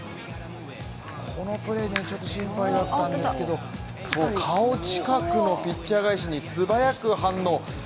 このプレー、ちょっと心配だったんですけど、顔近くのピッチャー返しに素早く反応。